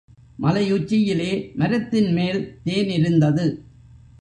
மலை உச்சியிலே மரத்தின் மேல் தேன் இருந்தது.